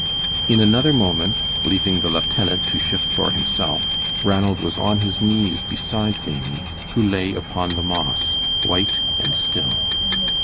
In another moment leaving the lieutenant to shift for himself, Ranald was on his knees beside Maimie, who lay upon the moss, white and still.